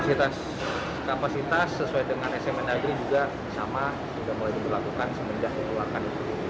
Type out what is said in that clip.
sudah mulai dilakukan semenjak pengeluaran